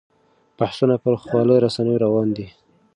بحثونه پر خواله رسنیو روان دي.